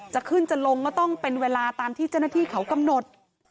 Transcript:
จะขึ้นจะลงก็ต้องเป็นเวลาตามที่เจ้าหน้าที่เขากำหนด